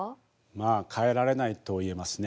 まあ変えられないといえますね。